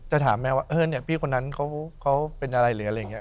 ถามแม่ว่าพี่คนนั้นเขาเป็นอะไรหรืออะไรอย่างนี้